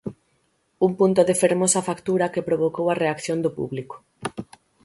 Un punto de fermosa factura que provocou a reacción da publico.